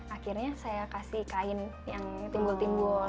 akhirnya saya kasih kain yang timbul timbul